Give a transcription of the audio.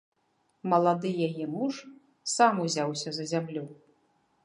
Малады яе муж сам узяўся за зямлю.